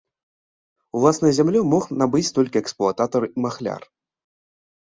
Уласную зямлю мог набыць толькі эксплуататар і махляр.